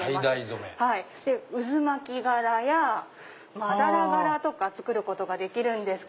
渦巻き柄やまだら柄とか作ることができるんです。